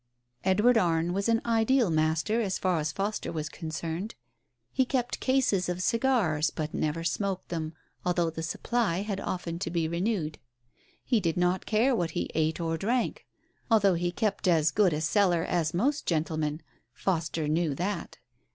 Edward Arne was an ideal master, as far as Foster was concerned. He kept cases of cigars, but never smoked them, although the supply had often to be renewed. He did not care what he ate or drank, although he kept as good a cellar as most gentlemen — Foster knew that.